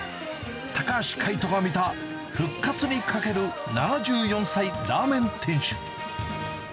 高橋海人が見た復活にかける７４歳ラーメン店主。